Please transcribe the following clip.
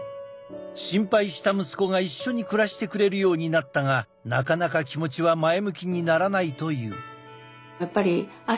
心配した息子が一緒に暮らしてくれるようになったがなかなか気持ちは前向きにならないという。